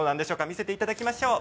見せていただきましょう。